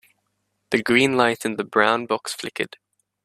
The green light in the brown box flickered.